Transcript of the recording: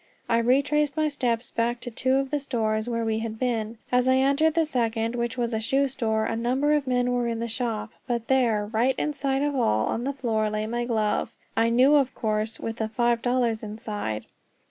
I retraced my steps back to two of the stores where we had been. As I entered the second, which was a shoe store, a number of men were in the shop; but there, right in sight of all, on the floor lay my glove, and I knew of course with the five dollars inside.